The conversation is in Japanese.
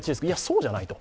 そうじゃないと。